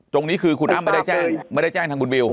ตรงนี้คือคุณอ้ำไม่ได้แจ้งไม่ได้แจ้งทางคุณบิว